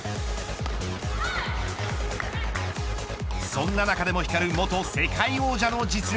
そんな中でも光る元世界王者の実力。